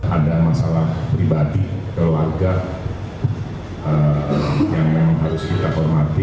ada masalah pribadi keluarga yang memang harus kita hormati